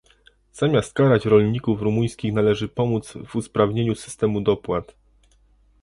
Zamiast karać rolników rumuńskich należy pomóc w usprawnieniu systemu dopłat